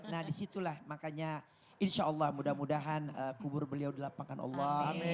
nah disitulah makanya insya allah mudah mudahan kubur beliau di lapangan allah